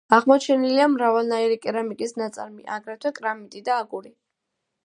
აღმოჩენილია მრავალნაირი კერამიკის ნაწარმი, აგრეთვე კრამიტი და აგური.